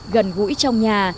gần gũi trong nhà